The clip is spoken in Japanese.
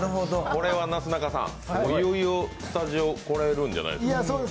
これはなすなかさん、いよいよスタジオ来られるんじゃないですか。